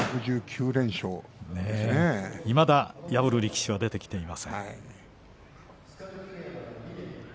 いまだ破る力士が出てきていません。